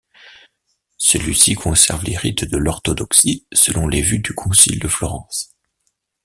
Celui-ci conserve les rites de l'orthodoxie, selon les vues du concile de Florence.